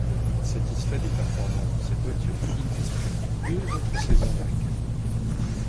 Satisfait des performances de cette voiture, il dispute deux autres saisons avec elle.